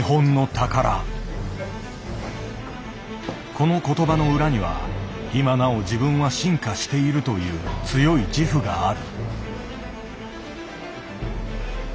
この言葉の裏には「今なお自分は進化している」という強い自負がある。